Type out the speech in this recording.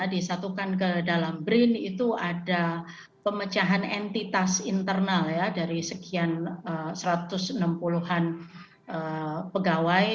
disatukan ke dalam brin itu ada pemecahan entitas internal ya dari sekian satu ratus enam puluh an pegawai